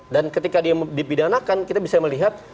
dan ketika dia dipidanakan kita bisa melihat